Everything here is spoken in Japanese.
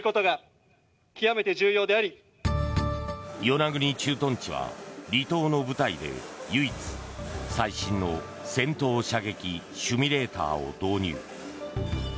与那国駐屯地は離島の部隊で唯一最新の戦闘射撃シミュレーターを導入。